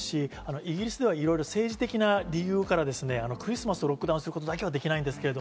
イギリスでは政治的な理由からクリスマスをロックダウンすることだけはできないんですけど。